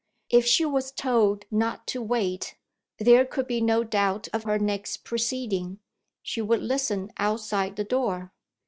If she was told not to wait, there could be no doubt of her next proceeding: she would listen outside the door.